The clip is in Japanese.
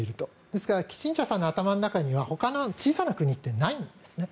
ですから、キッシンジャーさんの頭の中にはほかの小さな国ってないんですね。